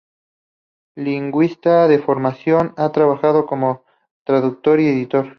Lingüista de formación, ha trabajado como traductor y editor.